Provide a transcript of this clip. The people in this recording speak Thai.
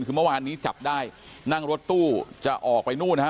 คือเมื่อวานนี้จับได้นั่งรถตู้จะออกไปนู่นฮะ